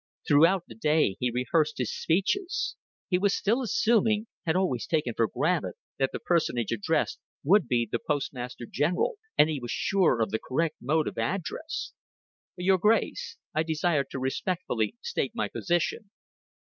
Throughout the day he rehearsed his speeches. He was still assuming had always taken for granted that the personage addressed would be the Postmaster General, and he was sure of the correct mode of address. "Your Grace, I desire to respectfully state my position."...